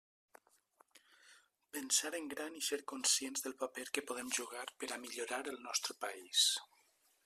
Pensar en gran i ser conscients del paper que podem jugar per a millorar el nostre país.